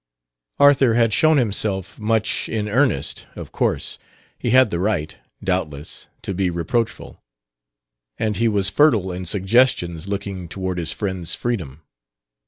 Arthur had shown himself much in earnest, of course; he had the right, doubtless, to be reproachful; and he was fertile in suggestions looking toward his friend's freedom.